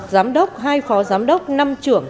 một giám đốc hai phó giám đốc năm trưởng